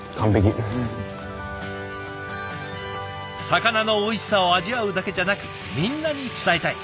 魚のおいしさを味わうだけじゃなくみんなに伝えたい。